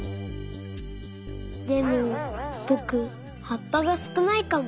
でもぼくはっぱがすくないかも。